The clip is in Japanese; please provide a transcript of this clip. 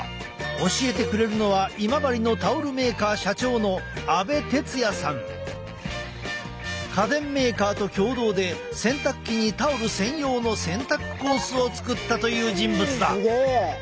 教えてくれるのは今治の家電メーカーと共同で洗濯機にタオル専用の洗濯コースを作ったという人物だ。